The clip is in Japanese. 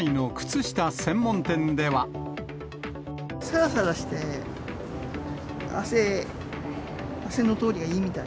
さらさらして、汗の通りがいいみたい。